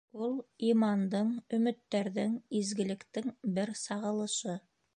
Ул имандың, өмөттәрҙең, изгелектең бер сағылышы.